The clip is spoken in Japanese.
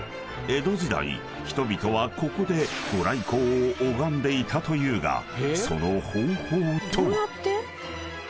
［江戸時代人々はここで御来光を拝んでいたというがその］